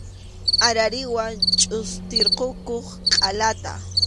Arariwa chʼustirqukuq qʼalata.